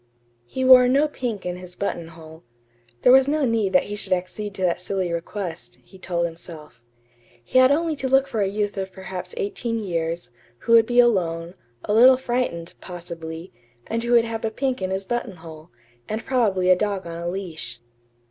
He wore no pink in his buttonhole. There was no need that he should accede to that silly request, he told himself. He had only to look for a youth of perhaps eighteen years, who would be alone, a little frightened, possibly, and who would have a pink in his buttonhole, and probably a dog on a leash.